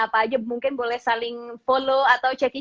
apa aja mungkin boleh saling follow atau cek i cek i juga ya